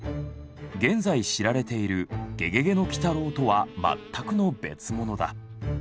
現在知られている「ゲゲゲの鬼太郎」とは全くの別物だ。